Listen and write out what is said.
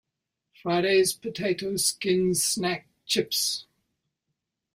Friday's Potato Skins Snack Chips.